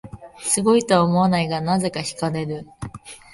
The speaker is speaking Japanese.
すごいとは思わないが、なぜか惹かれる